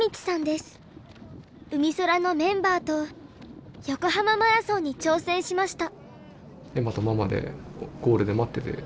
うみそらのメンバーと横浜マラソンに挑戦しました。